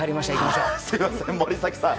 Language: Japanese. すみません、森崎さん。